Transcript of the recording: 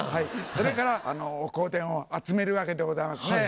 それからお香典を集めるわけでございますね。